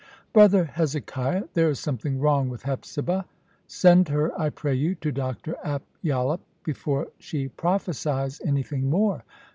"Brother Hezekiah, there is something wrong with Hepzibah. Send her, I pray you, to Dr Ap Yollup before she prophesies anything more.